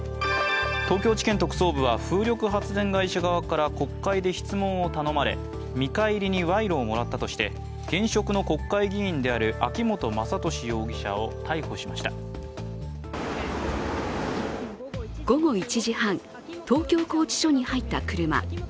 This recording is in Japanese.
東京地検特捜部は風力発電会社側から国会で質問を頼まれ見返りに賄賂をもらったとして、現職の国会議員である秋本真利容疑者を逮捕しました午後１時半、東京拘置所に入った車。